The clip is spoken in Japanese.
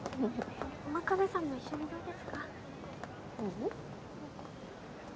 真壁さんも一緒にどうですか？